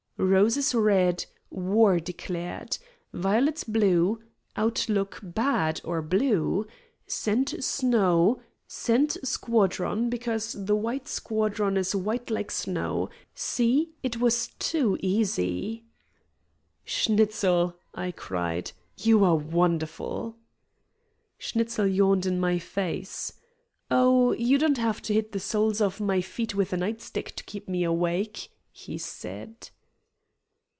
"'Roses red' war declared; 'violets blue' outlook bad, or blue; 'send snow' send squadron, because the white squadron is white like snow. See? It was too easy." "Schnitzel," I cried, "you are wonderful!" Schnitzel yawned in my face. "Oh, you don't have to hit the soles of my feet with a night stick to keep me awake," he said.